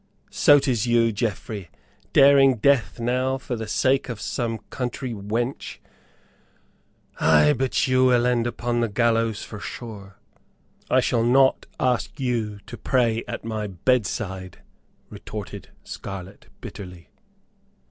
"So 'tis you, Geoffrey, daring death now for the sake of some country wench? Ay, but you will end upon the gallows, for sure." "I shall not ask you to pray at my bedside," retorted Scarlett, bitterly.